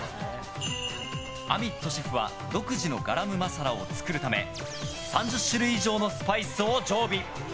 アミットシェフは独自のガラムマサラを作るため３０種類以上のスパイスを常備。